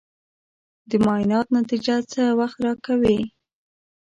د معاینات نتیجه څه وخت راکوې؟